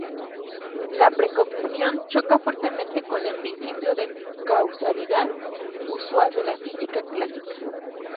La precognición choca fuertemente con el principio de causalidad usual de la física clásica.